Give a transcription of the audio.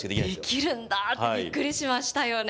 できるんだってびっくりしましたよね。